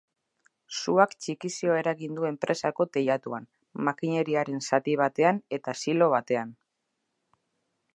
Suak txikizioa eragin du enpresako teilatuan, makineriaren zati batean eta silo batean.